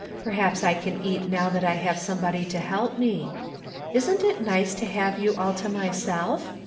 Perhaps I can eat now that I have somebody to help me. Isn't it nice to have you all to my self?